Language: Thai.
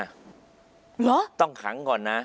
เหรอต้องขังก่อนนะ